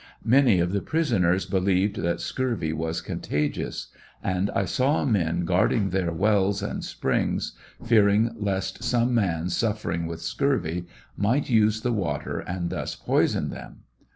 Many of the prisoners believed that scurvy was contagious, and I saw men guarding their wells and springs, fearing lest some man suffering with scurvy might use the water and thus poison them.